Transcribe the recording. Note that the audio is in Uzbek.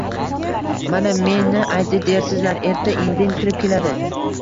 Mana, meni aytdi dersizlar, erta-indin kirib keladi.